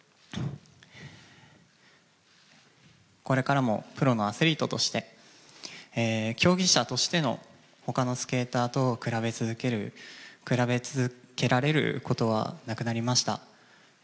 これからもプロのアスリートとして競技者としての他のスケーターと比べ続けられることはなくなりました。